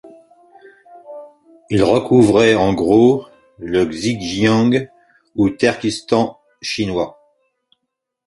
Il recouvrait en gros le Xinjiang ou Turkestan chinois.